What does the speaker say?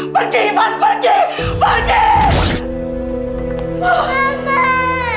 pergi iman pergi pergi